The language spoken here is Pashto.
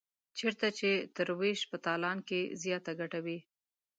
چېرته چې تر وېش په تالان کې زیاته ګټه وي.